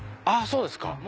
あっそうですか。